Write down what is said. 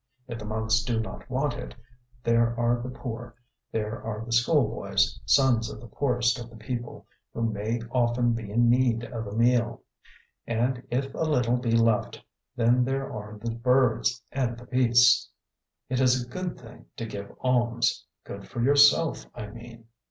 If the monks do not want it, there are the poor, there are the schoolboys, sons of the poorest of the people, who may often be in need of a meal; and if a little be left, then there are the birds and the beasts. It is a good thing to give alms good for yourself, I mean.